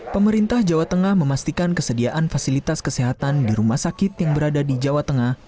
pemerintah jawa tengah memastikan kesediaan fasilitas kesehatan di rumah sakit yang berada di jawa tengah